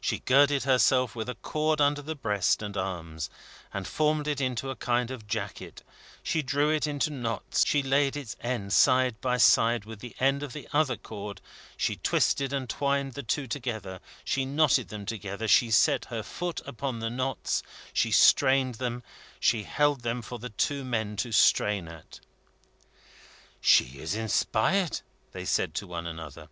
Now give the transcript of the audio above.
She girded herself with a cord under the breast and arms, she formed it into a kind of jacket, she drew it into knots, she laid its end side by side with the end of the other cord, she twisted and twined the two together, she knotted them together, she set her foot upon the knots, she strained them, she held them for the two men to strain at. "She is inspired," they said to one another.